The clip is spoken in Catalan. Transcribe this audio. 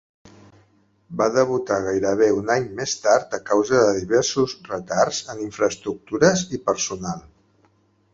Va debutar gairebé un any més tard a causa de diversos retards en infraestructures i personal.